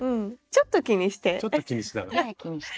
ちょっと気にしながら。